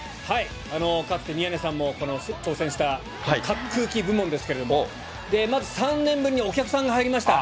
かつて、宮根さんも挑戦した滑空機部門ですけれども、まず３年ぶりにお客さんが入りました。